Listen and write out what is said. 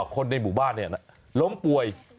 คนในหมู่บ้านล้มป่วย